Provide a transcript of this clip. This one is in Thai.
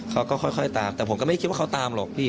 เขาก็ค่อยตามแต่ผมก็ไม่คิดว่าเขาตามหรอกพี่